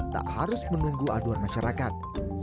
tak harus menunggu aduan masyarakat